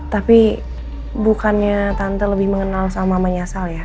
tapi bukannya tante lebih mengenal sama mama nyesal ya